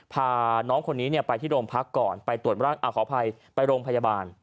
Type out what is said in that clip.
พาน้องคนนี้ไปที่โรงพักก่อนไปตรวจร่างขออภัยไปโรงพยาบาล